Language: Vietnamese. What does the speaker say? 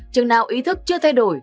chừng nào ý thức chưa thay đổi